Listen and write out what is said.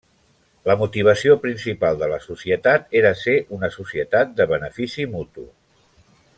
La motivació principal de la societat era ser una societat de benefici mutu.